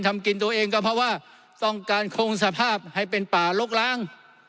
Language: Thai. ทำกินตัวเองก็เพราะว่าต้องการคงสภาพให้เป็นป่าลกล้าง